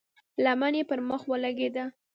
لمن يې پر مخ ولګېده.